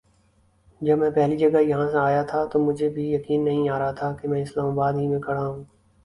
جب میں پہلی جگہ یہاں آیا تھا تو مجھے بھی یقین نہیں آ رہا تھا کہ میں اسلام آباد ہی میں کھڑا ہوں ۔